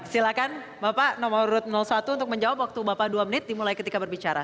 silakan bapak nomor satu untuk menjawab waktu bapak dua menit dimulai ketika berbicara